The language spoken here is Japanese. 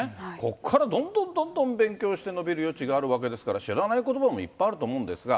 ここからどんどんどんどん勉強して伸びる余地があるわけですから、知らないことばもいっぱいあると思うんですが。